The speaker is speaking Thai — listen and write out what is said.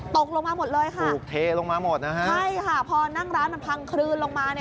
ตกลงมาหมดเลยค่ะใช่ค่ะพอนั่งร้านมันพังคลื่นลงมา